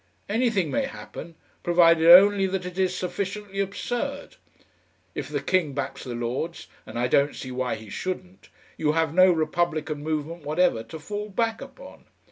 Anything may happen, provided only that it is sufficiently absurd. If the King backs the Lords and I don't see why he shouldn't you have no Republican movement whatever to fall back upon.